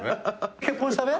結婚したべ。